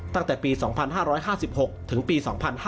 ตั้งแต่ปี๒๕๕๖ถึงปี๒๕๕๙